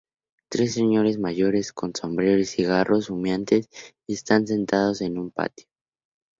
Tres señores mayores, con sombrero y cigarros humeantes, están sentados en un patio.